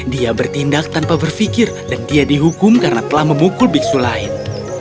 dia bertindak tanpa berpikir dan dia dihukum karena telah memukul biksu lain